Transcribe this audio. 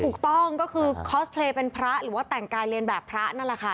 ถูกต้องก็คือคอสเพลย์เป็นพระหรือว่าแต่งกายเรียนแบบพระนั่นแหละค่ะ